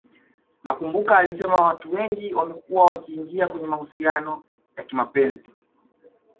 nakumbuka alisema Watu wengi wamekua wakiingia kwenye mahusiano ya kimapenzi